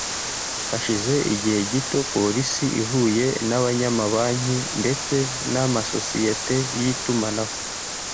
Hashize igihe gito polisi ihuye n’abanyamabanki ndetse n’amasosiyete y’itumanaho